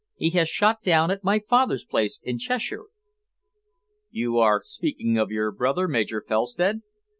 He has shot down at my father's place in Cheshire." "You are speaking of your brother, Major Felstead?"